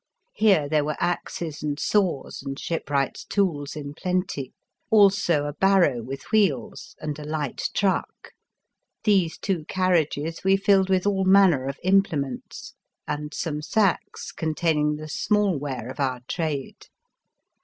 Here there were axes and saws and shipwright's tools in plenty; also a barrow with wheels and a light truck. These two carriages we filled with all manner of implements, and some sacks containing the smallware of our trade.